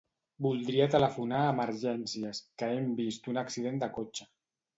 Voldria telefonar a Emergències, que hem vist un accident de cotxe.